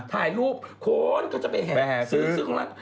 ถ่ายรูปคนก็จะไปแห่ซื้อของร้าน